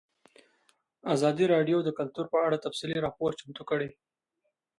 ازادي راډیو د کلتور په اړه تفصیلي راپور چمتو کړی.